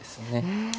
うん。